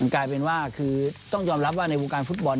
กลายเป็นว่าคือต้องยอมรับว่าในวงการฟุตบอล